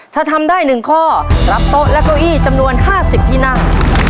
ถ้าทำได้๑ข้อรับโต๊ะและเก้าอี้จำนวน๕๐ที่นั่ง